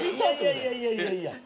いやいやいやいや。